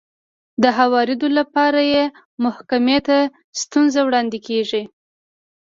د هوارېدو لپاره يې محکمې ته ستونزه وړاندې کېږي.